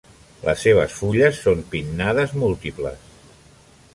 Les seves fulles són pinnades múltiples.